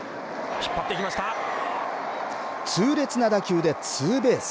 痛烈な打球でツーベース。